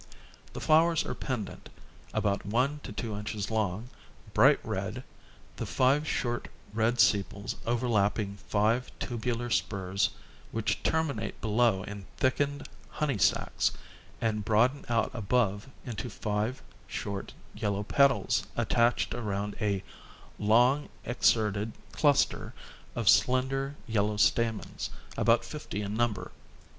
The flowers are pendent, about 1 2 inches long, bright red, the five short red sepals overlapping five tubular spurs which ter minate below in thickened honey sacs and broaden out above into five short yellow petals attached around a long exserted, cluster of slender yellow stamens, about fifty in number.